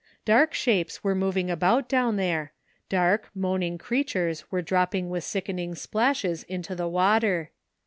Dark shapes were moving about down there, dark, moaning creatures were dropping with sickening splashes into the water.